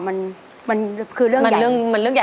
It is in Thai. มันคือเรื่องใหญ่